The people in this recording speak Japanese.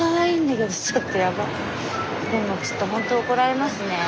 でもちょっとほんと怒られますね。